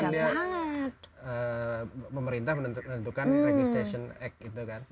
jadi kan itu dia pemerintah menentukan registration act itu kan